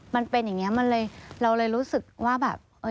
มันเป็นอย่างนี้มันเลยเราเลยรู้สึกว่าแบบ